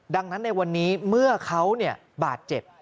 ดังนั้นในวันนี้เมื่อเขาบาดเจ็บ